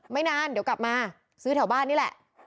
ไม่นานเดี๋ยวกลับมาซื้อแถวบ้านนี่แหละ